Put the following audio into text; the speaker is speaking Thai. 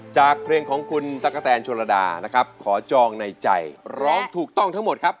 จากเพลงของคุณตะกะแตนชนระดานะครับขอจองในใจร้องถูกต้องทั้งหมดครับ